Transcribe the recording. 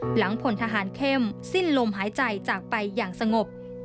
หลังพลทหารเข้มสิ้นลมหายใจจากไปอย่างสงบ